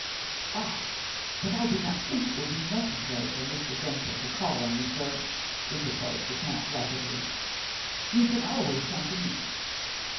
"Ah, but I do not think it will be necessary for Mr. Denzil to call on you, sir," interposed the Count rapidly. "You can always come to me.